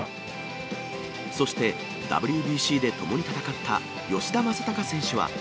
そして、ＷＢＣで共に戦った吉田正尚選手は。